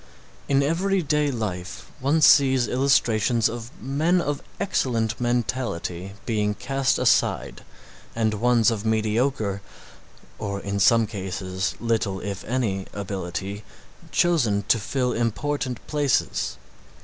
In everyday life one sees illustrations of men of excellent mentality being cast aside and ones of mediocre or in some cases, little, if any, ability chosen to fill important places.